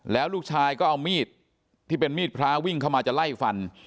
แล้วลูกชายก็เอามีดที่เป็นมีดพระวิ่งเข้ามาจะไล่ฟัน